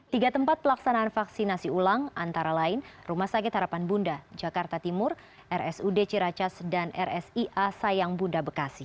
tiga tempat pelaksanaan vaksinasi ulang antara lain rumah sakit harapan bunda jakarta timur rsud ciracas dan rsia sayang bunda bekasi